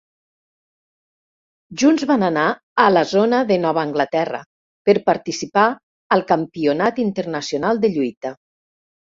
Junts van anar a la zona de Nova Anglaterra per participar al campionat internacional de lluita.